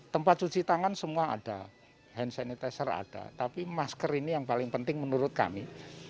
tempat cuci tangan semua ada hand sanitizer ada tapi masker ini yang paling penting menurut kami